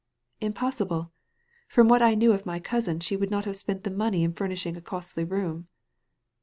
"Impossible. From what I knew of my cousin she would not have spent the money in furnishing a costly room.